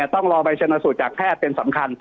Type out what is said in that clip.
ต้องรอใบชนสูตรจากแพทย์เป็นสำคัญ